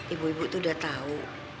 ibu ibu tuh udah tau